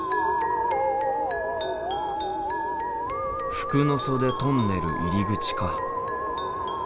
服ノ袖トンネル入り口か。